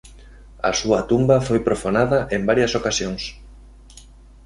A súa tumba foi profanada en varias ocasións.